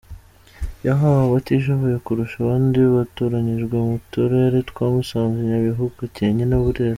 Yahawe abatishoboye kurusha abandi batoranyijwe mu Turere twa Musanze, Nyabihu, Gakenke na Burera.